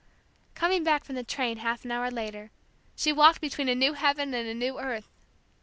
Coming back from the train half an hour later, she walked between a new heaven and a new earth!